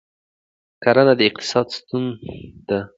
کرنه د اقتصاد ستون ده.